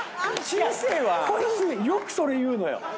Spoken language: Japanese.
こいつよくそれ言うのよ。